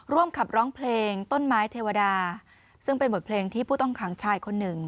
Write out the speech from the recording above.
ร่วมขับร้องเพลงต้นไม้เทวดาซึ่งเป็นบทเพลงที่ผู้ต้องขังชายคนหนึ่ง